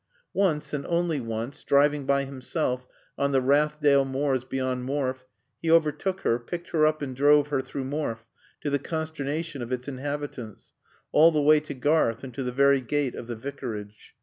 Once, and only once, driving by himself on the Rathdale moors beyond Morfe, he overtook her, picked her up and drove her through Morfe (to the consternation of its inhabitants) all the way to Garth and to the very gate of the Vicarage.